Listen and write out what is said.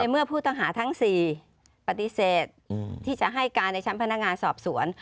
เมื่อผู้ต้องหาทั้ง๔ปฏิเสธที่จะให้การในชั้นพนักงานสอบสวน